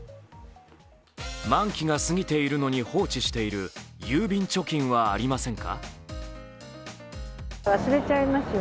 満期が過ぎているのに放置している郵便貯金はありませんか。